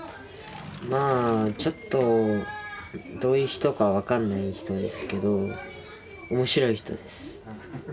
まあちょっとどういう人か分かんない人ですけど面白い人です。